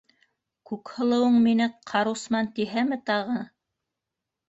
Күкһылыуың мине ҡарусман тиһәме тағы!